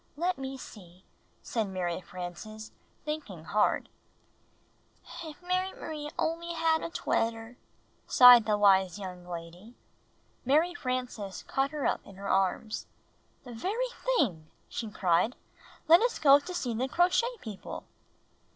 "Let me see," said Mary Frances, thinking hard. "If Mary M'rie only had a twetter!" sighed the wise young lady. Mary Frances caught her up in her arms. "The very thing!" she cried. "Let us go see the Crochet People."